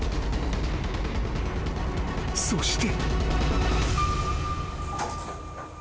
［そして］